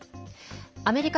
アメリカ